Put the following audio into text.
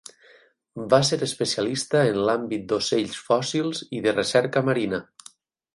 Va ser especialista en l'àmbit d'ocells fòssils i de recerca marina.